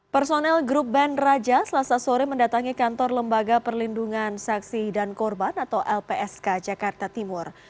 personel grup band raja selasa sore mendatangi kantor lembaga perlindungan saksi dan korban atau lpsk jakarta timur